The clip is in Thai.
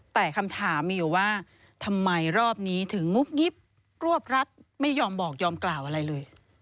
แต่คำถามมีอยู่ว่าทำไมรอบนี้ถึงงุบงิบรวบรัดไม่ยอมบอกยอมกล่าวอะไรเลย